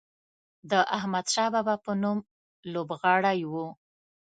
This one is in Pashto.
د احمدشاه بابا په نوم لوبغالی و.